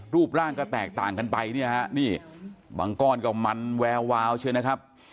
รูปร่างก็แตกต่างกันไปเนี่ยฮะนี่บางก้อนก็มันแวววาวใช่ไหมครับ